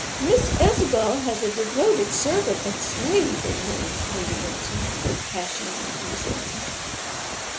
"Miss Isabel has a devoted servant and slave in me!" Moody answered, with passionate enthusiasm.